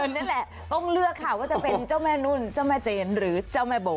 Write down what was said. นั่นแหละต้องเลือกค่ะว่าจะเป็นเจ้าแม่นุ่นเจ้าแม่เจนหรือเจ้าแม่โบ